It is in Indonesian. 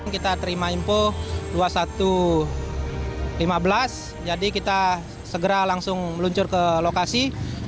kita terima info dua ribu satu ratus lima belas jadi kita segera langsung meluncur ke lokasi